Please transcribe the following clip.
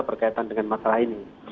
berkaitan dengan masalah ini